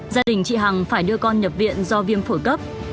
gia đình chị hằng phải đưa con nhập viện do viêm phổi cấp